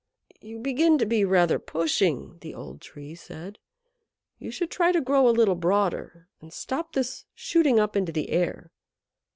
"You begin to be rather pushing," the Old Tree said. "You should try to grow a little broader, and stop this shooting up into the air.